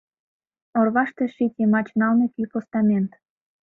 Орваште — щит йымач налме кӱ постамент.